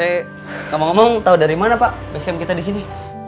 eh ngomong ngomong tau dari mana pak basecamp kita di sini